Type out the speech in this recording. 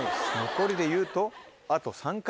残りでいうとあと３回。